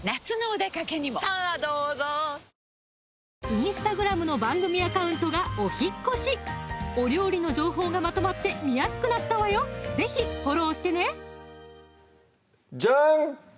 インスタグラムの番組アカウントがお引っ越しお料理の情報がまとまって見やすくなったわよ是非フォローしてねジャン！